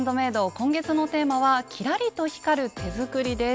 今月のテーマは「キラリと光る手作り」です。